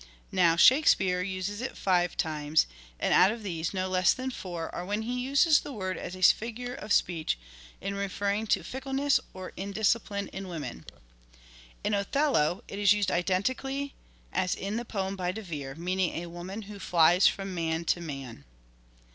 Now " Shakespeare " uses it five times, and out of these no less than four are when he uses the word as a figure of speech in referring to fickleness or indiscipline in women. In " Othello " it is used identically as in the poem by De Vere. meaning a woman who " flies from man to man."